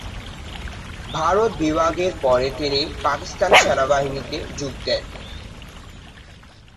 ভারত বিভাগের পরে তিনি পাকিস্তান সেনাবাহিনীতে যোগ দেন।